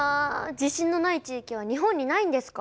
地震のない地域は日本にないんですか？